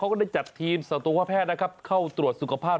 เขาก็ได้จัดทีมศาลโตพภาพแพทย์เข้าตรวจสุขภาพ